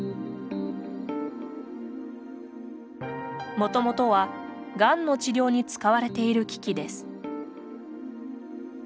もともとは、がんの治療に使われている機器です。